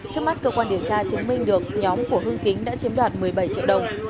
trước mắt cơ quan điều tra chứng minh được nhóm của hương kính đã chiếm đoạt một mươi bảy triệu đồng